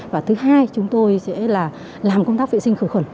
và thứ hai chúng tôi sẽ là làm công tác viện sinh khử khuẩn